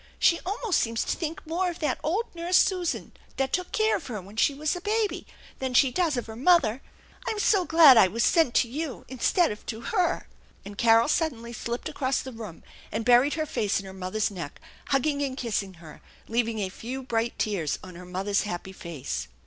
She almost seems to think more of that old nurse Susan that took care of her when she was a baby than she does of .her mother. I'm so glad I was sent to you instead of to her !" And Carol suddenly slipped across the room and buried her face in her mother's neck, hugging and kissing her, leaving a few bright tears on her mother's happy face.